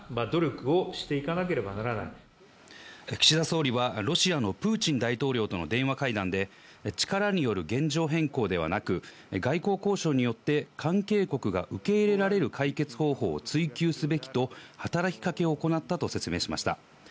岸田総理はロシアのプーチン大統領との電話会談で、力による現状変更ではなく、外交交渉によって関係国が受け入れられる解決方法を追求すべきと働きかけを行ったと説明しました。